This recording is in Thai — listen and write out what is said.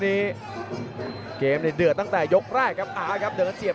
คนีเจมส์ในเดือนตั้งแต่ยกแรกครับอ่ะครับเดี๋ยวก็เสียบ